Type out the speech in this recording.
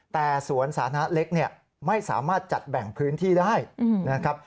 แต่สวนสาธารณะเล็กเนี่ยไม่สามารถจัดแบ่งพื้นที่ได้นะครับ